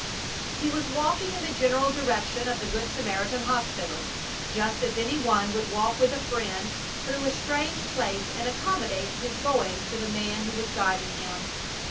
He was walking in the general direction of the Good Samaritan Hospital, just as any one would walk with a friend through a strange place and accommodate his going to the man who was guiding him.